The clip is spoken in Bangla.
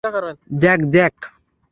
Jack, Jack!